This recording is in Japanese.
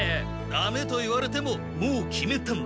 ダメと言われてももう決めたんだ。